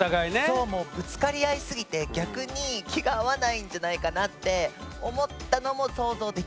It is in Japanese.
そうもうぶつかり合いすぎて逆に気が合わないんじゃないかなって思ったのも想像できるなって。